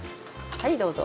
はいどうぞ。